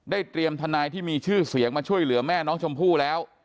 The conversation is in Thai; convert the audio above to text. เตรียมทนายที่มีชื่อเสียงมาช่วยเหลือแม่น้องชมพู่แล้ว